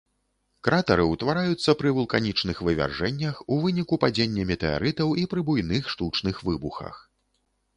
Кратары ўтвараюцца пры вулканічных вывяржэннях, у выніку падзення метэарытаў і пры буйных штучных выбухах.